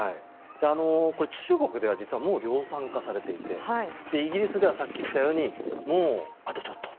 中国では実はもう量産化されていてイギリスではさっき言ったようにもうあとちょっと。